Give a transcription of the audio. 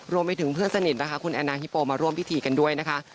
รวมไปถึงเพื่อนสนิทนะคะคุณแอนนาฮิโปมาร่วมพิธีกันด้วยนะคะ